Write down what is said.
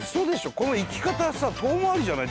この行き方さ遠回りじゃない？